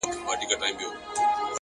ژور فکر تېروتنې کموي